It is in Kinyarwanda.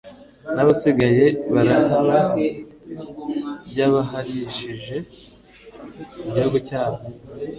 n'abasigaye barahaba, ryabahalishije igihugu cyabo